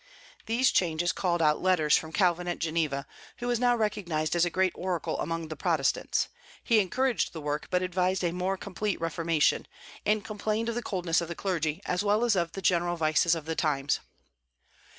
These changes called out letters from Calvin at Geneva, who was now recognized as a great oracle among the Protestants: he encouraged the work, but advised a more complete reformation, and complained of the coldness of the clergy, as well as of the general vices of the times.